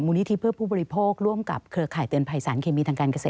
นิธิเพื่อผู้บริโภคร่วมกับเครือข่ายเตือนภัยสารเคมีทางการเกษตร